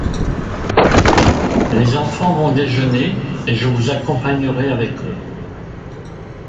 Les enfants vont déjeuner, et je vous accompagnerai avec eux.